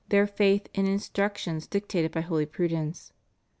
their faith in instructions dictated by holy prudence.